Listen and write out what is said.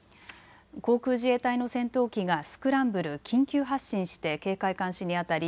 航空自衛隊の戦闘機がスクランブル・緊急発進して警戒・監視にあたり